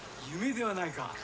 夢ではないか。